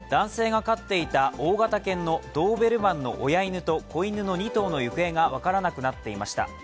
今月８日から木更津市の住宅で男性が飼っていた大型犬のドーベルマンの親犬と子犬の２頭の行方が分からなくなっていました。